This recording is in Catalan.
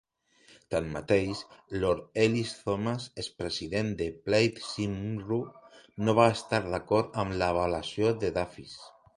Tanmateix, Lord Elis-Thomas, expresident de Plaid Cymru, no va estar d'acord amb l'avaluació de Dafis.